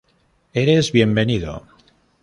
Eres bienvenido.